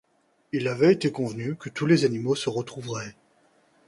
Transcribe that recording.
Il avait ete convenu que tous les animaux se retrouveraient